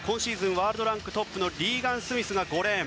ワールドランクトップのリーガン・スミスが５レーン。